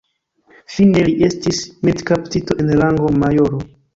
Fine li estis militkaptito en rango majoro.